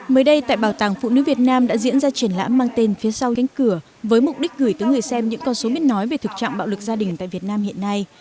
mới đây tại bảo tàng phụ nữ việt nam đã diễn ra triển lãm mang tên phía sau cánh cửa với mục đích gửi tới người xem những con số biết nói về thực trạng bạo lực gia đình tại việt nam hiện nay